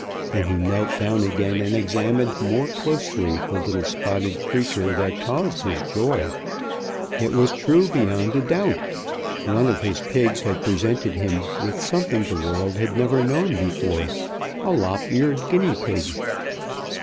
Then he knelt down again, and examined more closely the little spotted creature that caused his joy. It was true, beyond doubt! One of his pigs had presented him with something the world had never known before a lop eared guinea pig!